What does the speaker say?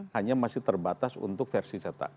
hanya masih terbatas untuk versi cetak